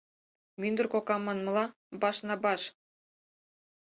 Мӱндыр кокам манмыла, баш на баш.